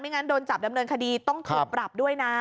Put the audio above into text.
งั้นโดนจับดำเนินคดีต้องถูกปรับด้วยนะ